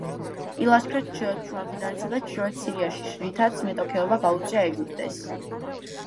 ილაშქრა ჩრდილოეთ შუამდინარეთსა და ჩრდილოეთ სირიაში, რითაც მეტოქეობა გაუწია ეგვიპტეს.